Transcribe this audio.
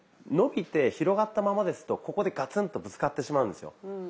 伸びて広がったままですとここでガツンとぶつかってしまうんですよ。